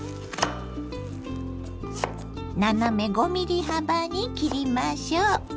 斜め５ｍｍ幅に切りましょう。